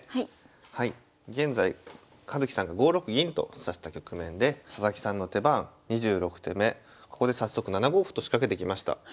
現在葉月さんが５六銀と指した局面で佐々木さんの手番２６手目ここで早速７五歩と仕掛けてきました。